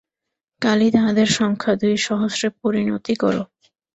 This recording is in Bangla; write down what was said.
কালই তাহাদের সংখ্যা দুই সহস্রে পরিণতি কর।